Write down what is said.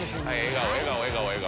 笑顔笑顔笑顔。